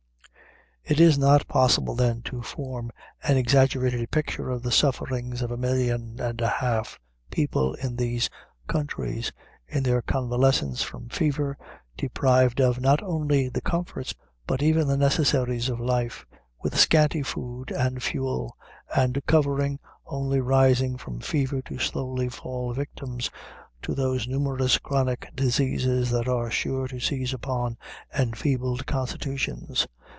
"It is not possible, then, to form an exaggerated picture of the sufferings of a million and a half of people in these countries, in their convalescence from fever, deprived of, not only the comforts, but even the necessaries of life, with scanty food, and fuel, and covering, only rising from fever to slowly fall victims to those numerous chronic diseases that are sure to seize upon enfeebled constitutions.